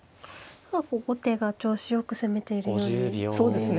後手が調子よく攻めているように見えますね。